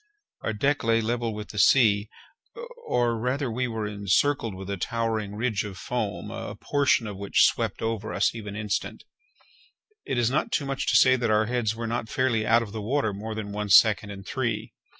Our deck lay level with the sea, or rather we were encircled with a towering ridge of foam, a portion of which swept over us every instant. It is not too much to say that our heads were not fairly out of the water more than one second in three.